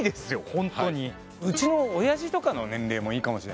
ホントにはいはいうちの親父とかの年齢もいいかもしれないですね